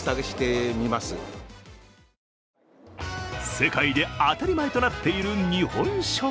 世界で当たり前となっている日本食。